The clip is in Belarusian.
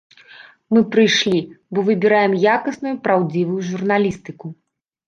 Мы прыйшлі, бо выбіраем якасную, праўдзівую журналістыку.